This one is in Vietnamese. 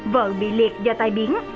vợ bị liệt do tai biến